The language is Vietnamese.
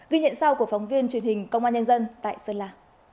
ghi nhận sau của phóng viên truyền hình công an nhân dân tại sơn la